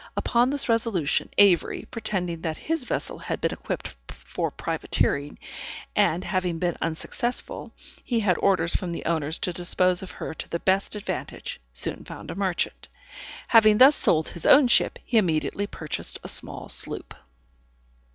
Upon this resolution, Avery, pretending that his vessel had been equipped for privateering, and having been unsuccessful, he had orders from the owners to dispose of her to the best advantage, soon found a merchant. Having thus sold his own ship, he immediately purchased a small sloop.